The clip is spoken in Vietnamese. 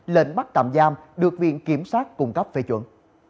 lệnh bắt tạm giam được viện kiểm sát cung cấp phê chuẩn